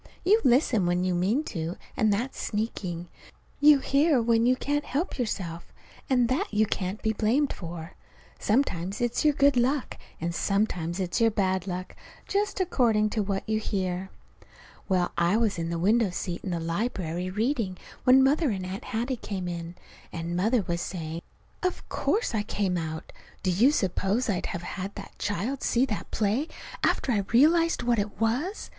You listen when you mean to, and that's sneaking. You hear when you can't help yourself, and that you can't be blamed for. Sometimes it's your good luck, and sometimes it's your bad luck just according to what you hear! Well, I was in the window seat in the library reading when Mother and Aunt Hattie came in; and Mother was saying: "Of course I came out! Do you suppose I'd have had that child see that play, after I realized what it was?